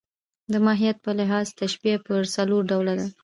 د ماهیت په لحاظ تشبیه پر څلور ډوله ده.